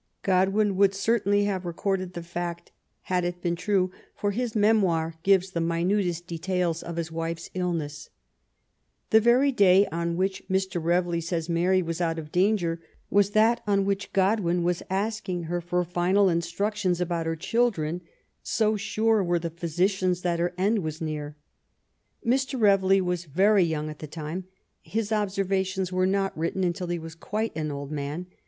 Godwin would certainly have recorded the fact had it been true, for his Memoir gives the minutest details of his wife's illness^ The very day on which Mr. Reveley says Mary was out of danger was that on which Godwin was asking her for final instructions about her children^ so sure were the physicians that her end was near. Mr. Reveley was very young at the time. His observations were not written until he was quite an old man.